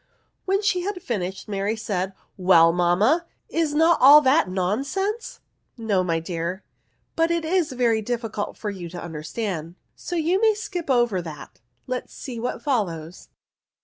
When she had finished, Mary said, " Well, mamma, is not all that nonsense ?"" No, my dear ; but it is very difficult for you to understand, so you may skip over that. Let us see what follows."